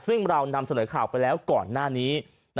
ซึ่งเรานำเสนอข่าวไปแล้วก่อนหน้านี้